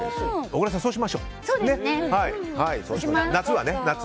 小倉さん、そうしましょう。夏はね。